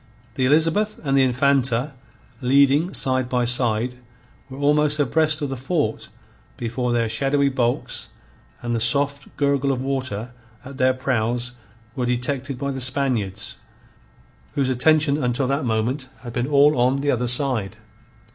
The Elizabeth and the Infanta, leading side by side, were almost abreast of the fort before their shadowy bulks and the soft gurgle of water at their prows were detected by the Spaniards, whose attention until that moment had been all on the other side.